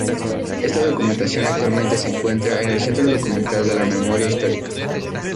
Esta documentación actualmente se encuentra en el Centro Documental de la Memoria Histórica.